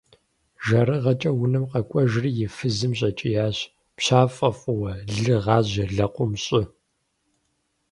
ЖэрыгъэкӀэ унэм къэкӀуэжри и фызым щӀэкӀиящ: - ПщафӀэ фӀыуэ! Лы гъажьэ! Лэкъум щӀы!